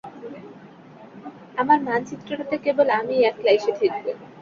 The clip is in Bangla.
আমার মানচিত্রটাতে কেবল আমিই একলা এসে ঠেকব!